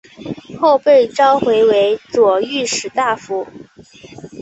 后被召回为左御史大夫。